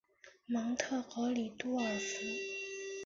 蒙特格里多尔福。